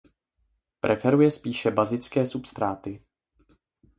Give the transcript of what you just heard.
Preferuje spíše bazické substráty.